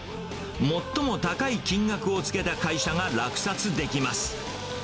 最も高い金額をつけた会社が落札できます。